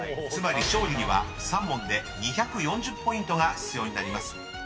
［つまり勝利には３問で２４０ポイントが必要になります］